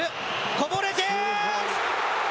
こぼれて。